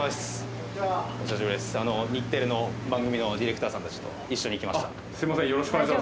日テレの番組のディレクターさんたちと一緒に来ました。